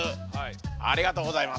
ありがとうございます。